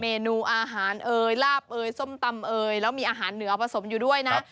เมนูอาหารเอ่ยลาบเอยส้มตำเอยแล้วมีอาหารเหนือผสมอยู่ด้วยนะ